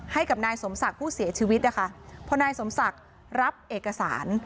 ให้กับนายสมศักดิ์ผู้เสียชีวิตนะคะพอนายสมศักดิ์รับเอกสาร